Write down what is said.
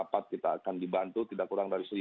dapat kita akan dibantu tidak kurang dari